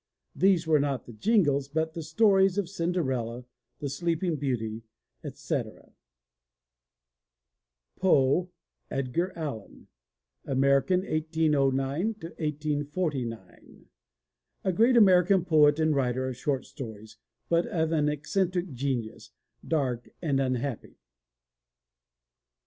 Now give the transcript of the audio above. These were not the jingles, but the stories of Cinderella, The Sleeping Beauty, etc. POE, EDGAR ALLAN (American, 1809 1849) A great American poet and writer of short stories, but of an eccentric genius, dark and unhappy.